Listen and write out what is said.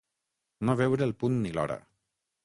No veure el punt ni l'hora.